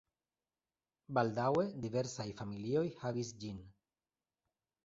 Baldaŭe diversaj familioj havis ĝin.